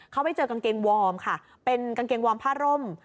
เขาไปเจอกางเกงวอร์มค่ะเป็นกางเกงวอร์มผ้าร่ม